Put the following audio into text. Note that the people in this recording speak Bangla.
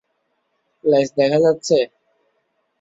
লেজ দেখা যাচ্ছে?